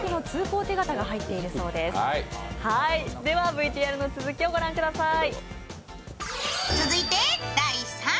ＶＴＲの続きをご覧ください。